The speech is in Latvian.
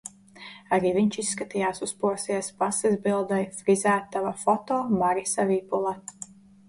Arī viņš izskatījās uzposies pases bildei. Frizētavā. Foto: Marisa Vipule